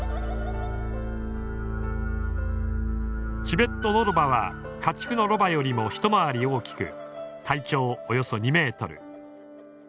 チベットノロバは家畜のロバよりも回り大きく体長およそ２ｍ。